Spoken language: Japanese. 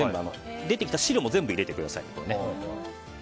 出てきた汁も全部入れてください。